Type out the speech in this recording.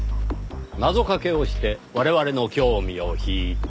謎掛けをして我々の興味を引いた。